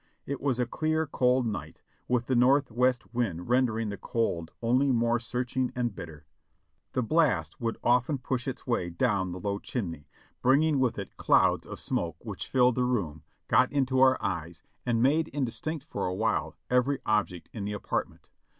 It was a clear, cold night, with a northwest wind rendering the cold only more searching and bitter. The blast would often push its way down the low chimney, bringing with it clouds of smoke which filled the room, got into our eyes, and made indistinct for a while every object in the apartment.